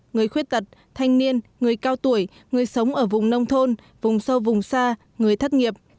người khuyết tật thanh niên người cao tuổi người sống ở vùng nông thôn vùng sâu vùng xa người thất nghiệp